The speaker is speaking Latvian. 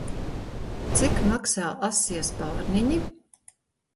Cik maksā asie spārniņi?